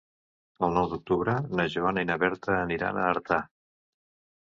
El nou d'octubre na Joana i na Berta aniran a Artà.